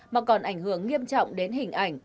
mà còn ảnh hưởng nghiêm trọng đến hình ảnh